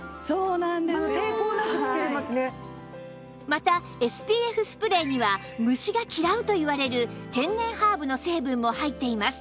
また ＳＰＦ スプレーには虫が嫌うといわれる天然ハーブの成分も入っています